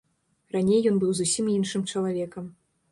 Раней ён быў зусім іншым чалавекам.